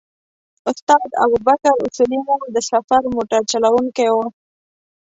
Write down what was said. استاد ابوبکر اصولي مو د سفر موټر چلوونکی و.